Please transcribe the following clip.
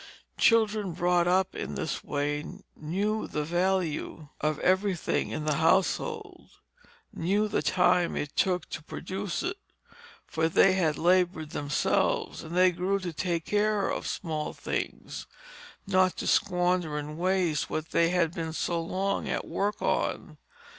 Children brought up in this way knew the value of everything in the household, knew the time it took to produce it, for they had labored themselves, and they grew to take care of small things, not to squander and waste what they had been so long at work on.